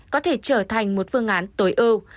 có thể trở thành một phương án tối ưu